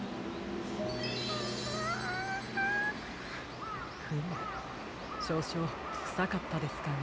あ。フムしょうしょうくさかったですかね。